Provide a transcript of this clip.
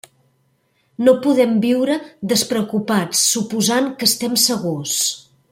No podem viure despreocupats suposant que estem segurs.